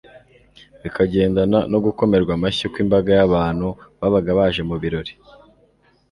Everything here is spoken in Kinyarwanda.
bikagendana no gukomerwa amashyi kw'imbaga y'abantu babaga baje mu birori